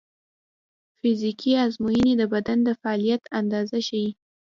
فزیکي ازموینې د بدن د فعالیت اندازه ښيي.